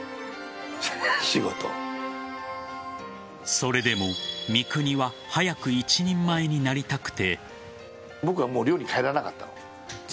それでも三國は早く一人前になりたくて。